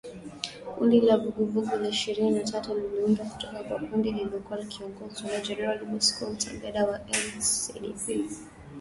Kundi la Vuguvugu la Ishirini na tatu liliundwa kutoka kwa kundi lililokuwa likiongozwa na Generali Bosco Ntaganda, la CNDP